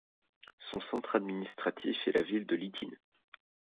Son centre administratif est la ville de Lityn.